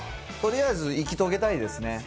とりあえず生き遂げたいですね。